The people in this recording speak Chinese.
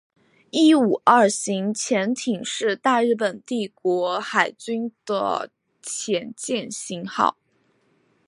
伊五二型潜艇是大日本帝国海军的潜舰型号。